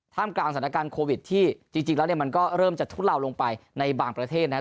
กลางสถานการณ์โควิดที่จริงแล้วเนี่ยมันก็เริ่มจะทุเลาลงไปในบางประเทศนะครับ